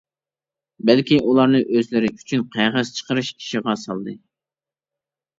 بەلكى ئۇلارنى ئۆزلىرى ئۈچۈن قەغەز چىقىرىش ئىشىغا سالدى.